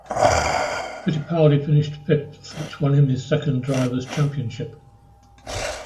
Fittipaldi finished fifth which won him his second Drivers' Championship.